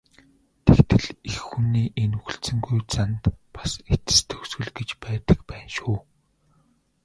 Тэгтэл эх хүний энэ хүлцэнгүй занд бас эцэс төгсгөл гэж байдаг байна шүү.